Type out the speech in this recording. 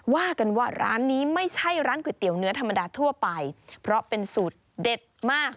ว่ากันว่าร้านนี้ไม่ใช่ร้านก๋วยเตี๋ยวเนื้อธรรมดาทั่วไปเพราะเป็นสูตรเด็ดมาก